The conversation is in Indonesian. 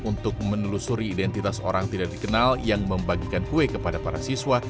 untuk menelusuri identitas orang tidak dikenal yang membagikan kue kepada para siswa